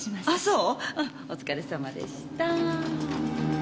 うんお疲れさまでした。